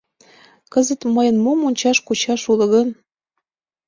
Кызыт мыйын мом ончаш-кучаш уло гын?